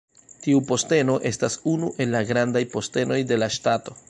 Tiu posteno estas unu el la Grandaj Postenoj de la Ŝtato.